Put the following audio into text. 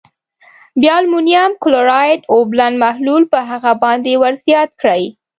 بیا المونیم کلورایډ اوبلن محلول په هغه باندې ور زیات کړئ.